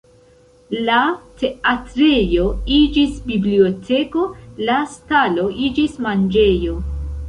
La teatrejo iĝis biblioteko, la stalo iĝis manĝejo.